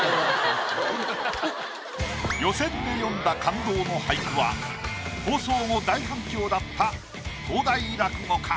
予選で詠んだ感動の俳句は放送後大反響だった東大落語家。